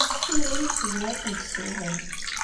Tiririt tezmer ad kent-tessewhem.